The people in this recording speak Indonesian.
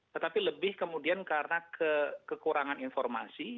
tetapi lebih kemudian karena kekurangan informasi